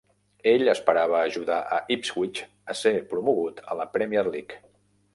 Ell esperava ajudar a Ipswich a ser promogut a la Premier League.